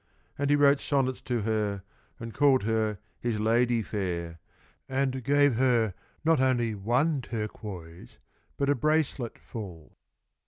And he wrote sonnets to her and called her his ladye fair, and gave her not only one turquoise, but a bracelet ful.